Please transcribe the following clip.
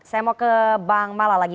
saya mau ke bang mala lagi